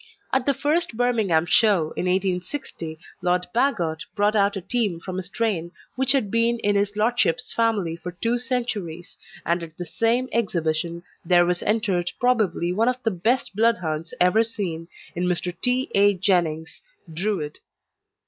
At the first Birmingham show, in 1860, Lord Bagot brought out a team from a strain which had been in his lordship's family for two centuries, and at the same exhibition there was entered probably one of the best Bloodhounds ever seen, in Mr. T. A. Jenning's Druid.